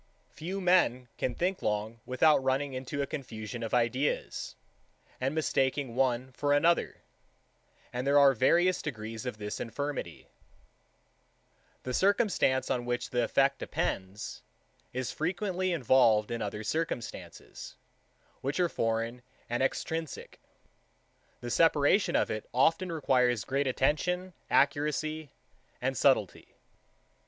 4. Few men can think long without running into a confusion of ideas, and mistaking one for another; and there are various degrees of this infirmity. 5. The circumstance, on which the effect depends, is frequently involved in other circumstances, which are foreign and extrinsic. The separation of it often requires great attention, accuracy, and subtilty.